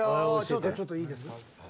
ちょっといいですか？